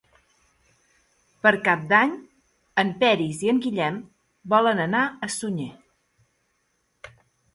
Per Cap d'Any en Peris i en Guillem volen anar a Sunyer.